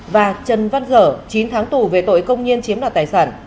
và trần văn dở chín tháng tù về tội công nhiên chiếm đoạt tài sản